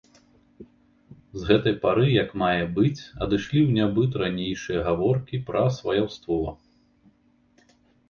З гэтай пары як мае быць адышлі ў нябыт ранейшыя гаворкі пра сваяўство.